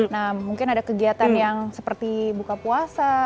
nah mungkin ada kegiatan yang seperti buka puasa